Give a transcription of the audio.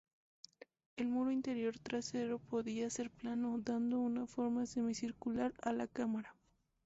El muro interior trasero podía ser plano, dando una forma semicircular a la cámara.